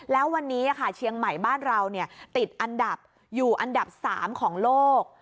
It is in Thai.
แล้ววันนี้เชียงใหม่บ้านเราติดอันดับอยู่อันดับ๓ของโลก